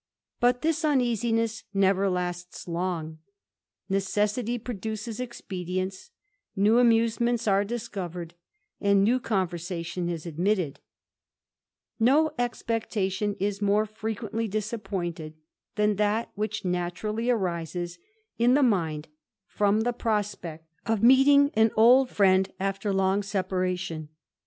But this uneasiness never lasts long ; necessity es expedients, new amusements are discovered, and nversation is admitted, expectation is more frequently disappointed, than that naturally arises in the mind from the prospect eting an old friend after long separation.